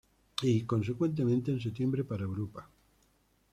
Y consecuentemente en septiembre para Europa.